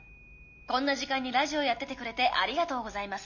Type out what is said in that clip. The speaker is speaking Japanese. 「こんな時間にラジオやっててくれてありがとうございます」